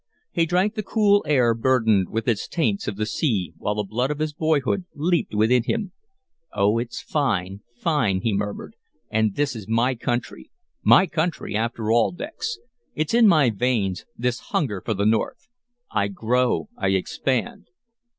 He drank the cool air burdened with its taints of the sea, while the blood of his boyhood leaped within him. "Oh, it's fine fine," he murmured, "and this is my country my country, after all, Dex. It's in my veins, this hunger for the North. I grow. I expand."